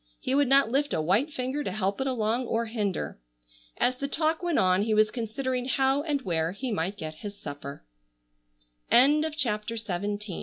He would not lift a white finger to help it along or hinder. As the talk went on he was considering how and where he might get his